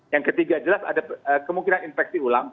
yang ketiga jelas ada kemungkinan infeksi ulang